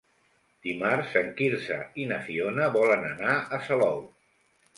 Dimarts en Quirze i na Fiona volen anar a Salou.